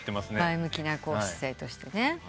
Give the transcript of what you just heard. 前向きな姿勢としてね。